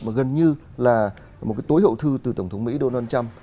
mà gần như là một cái tối hậu thư từ tổng thống mỹ donald trump